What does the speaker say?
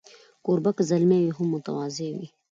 کوربه که زلمی وي، هم متواضع وي.